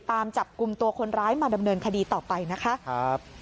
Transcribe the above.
ตามจับกลุ่มตัวคนร้ายมาดำเนินคดีต่อไปนะคะครับ